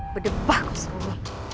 berdebah kau sendiri